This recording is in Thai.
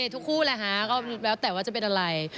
ทุกคู่แหละฮะก็แล้วแต่ว่าจะเป็นอะไร